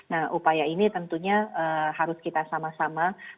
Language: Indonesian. nah upaya ini tentunya harus kita sama sama